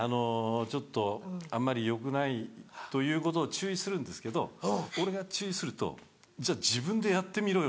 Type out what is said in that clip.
ちょっとあんまりよくないということを注意するんですけど俺が注意するとじゃ自分でやってみろよ！